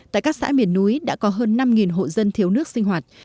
tại các xã miền núi đã có hơn năm hộ dân thiếu nước sinh hoạt